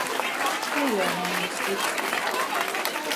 Neļaunojies vis.